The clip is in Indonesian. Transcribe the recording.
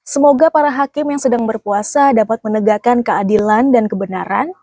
semoga para hakim yang sedang berpuasa dapat menegakkan keadilan dan kebenaran